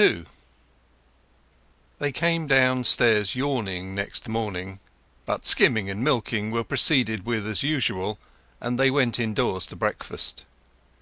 XXII They came downstairs yawning next morning; but skimming and milking were proceeded with as usual, and they went indoors to breakfast.